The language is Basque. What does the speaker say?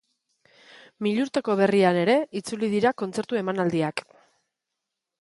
Milurteko berrian ere itzuli dira kontzertu emanaldiak.